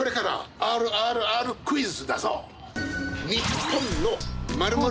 あるあるＲクイズ！